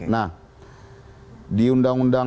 nah di undang undang